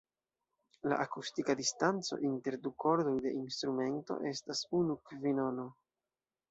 La akustika distanco inter du kordoj de instrumento estas unu kvinono.